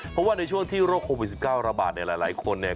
เพราะว่าในช่วงที่โรคโควิด๑๙ระบาดเนี่ยหลายคนเนี่ย